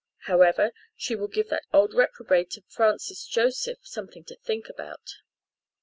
However, she will give that old reprobate of a Francis Joseph something to think about.